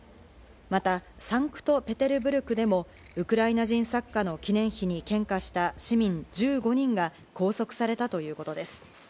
また、サンクトペテルブルクでもウクライナ人作家の記念碑に献花した市民１５人が拘束されたということです。